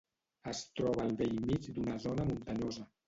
Es troba al bell mig d'una zona muntanyosa.